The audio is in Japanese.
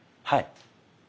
はい。